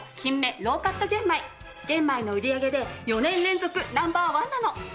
玄米の売り上げで４年連続ナンバーワンなの！